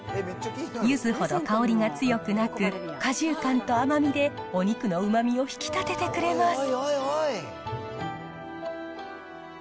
ゆずほど香りが強くなく、果汁感と甘みで、お肉のうまみを引き立ててくれます。